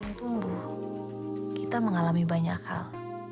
tunggu kita mengalami banyak hal